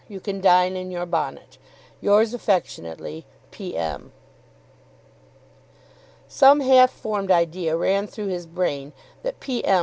You can dine in your bonnet. Yours affectionately, P. M. Some half formed idea ran through his brain that P. M.